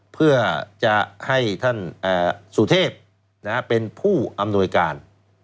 เพื่อจะให้ท่านสุเทพเป็นผู้อำนวยการ